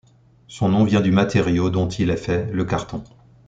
Son nom vient du matériau dont il est fait, le carton.